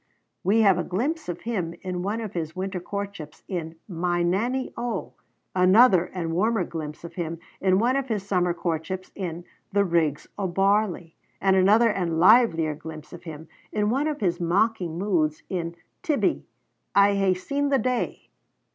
We have a glimpse of him in one of his winter courtships in 'My Nanie, O'; another and warmer glimpse of him in one of his summer courtships in 'The Rigs o' Barley'; and another and livelier glimpse of him in one of his mocking moods in 'Tibbie, I hae seen the day.'